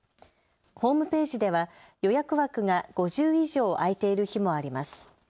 ホームページでは予約枠が５０以上空いている日もあります。